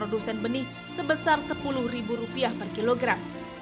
produsen benih sebesar sepuluh ribu rupiah per kilogram